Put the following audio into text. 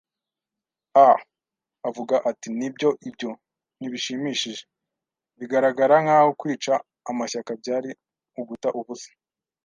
“Ah!” avuga. Ati: "Nibyo, ibyo ntibishimishije - bigaragara nkaho kwica amashyaka byari uguta ubusa